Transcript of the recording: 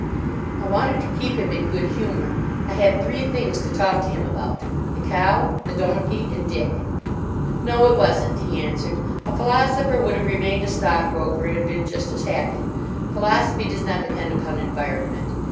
I wanted to keep him in good humour. I had three things to talk to him about: the cow, the donkey, and Dick. "No, it wasn't," he answered. "A philosopher would have remained a stockbroker and been just as happy. Philosophy does not depend upon environment.